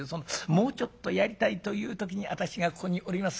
もうちょっとやりたいという時に私がここにおります